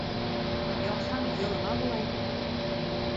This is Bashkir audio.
Яҡһаң, йылына, былай...